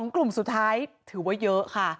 กลุ่มสุดท้ายถือว่าเยอะค่ะ